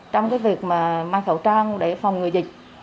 trong cái việc mà may khẩu trang để phòng người dịch